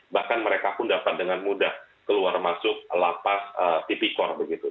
bahkan mereka pun dapat dengan mudah keluar masuk lapas tipikor begitu